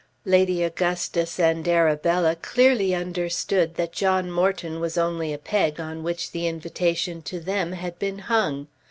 Lady Augustus and Arabella clearly understood that John Morton was only a peg on which the invitation to them had been hung.